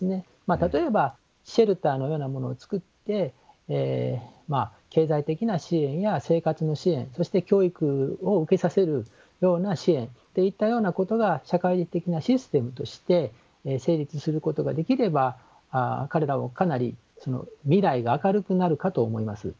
例えばシェルターのようなものを作って経済的な支援や生活の支援そして教育を受けさせるような支援っていったようなことが社会的なシステムとして成立することができれば彼らをかなり未来が明るくなるかと思います。